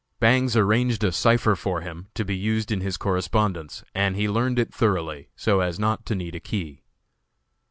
Bangs arranged a cipher for him, to be used in his correspondence, and he learned it thoroughly, so as not to need a key.